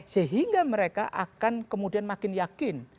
sehingga mereka akan kemudian makin yakin